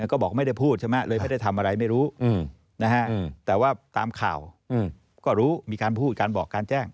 ก็บอกไม่ได้พูดใช่ไหมเลยไม่ได้ทำอะไรไม่รู้แต่ว่าตามข่าวก็รู้มีการพูดการบอกการแจ้ง